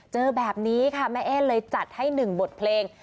เจอแบบนี้ค่ะแม่เอ๊เลยจัดให้๑บทเพลง